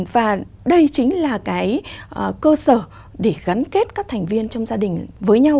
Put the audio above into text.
và đây chính là cái cơ sở để gắn kết các thành viên trong gia đình với nhau